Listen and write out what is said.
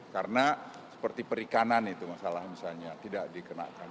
karena seperti perikanan itu masalah misalnya tidak dikenakan